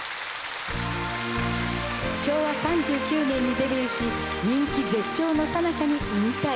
昭和３９年にデビューし人気絶頂のさなかに引退。